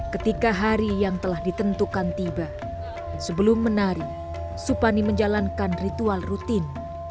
ketika hari yang telah ditentukan tiba sebelum menari supani menjalankan ritual rutin